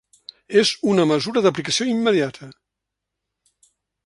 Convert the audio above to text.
És una mesura d’aplicació immediata.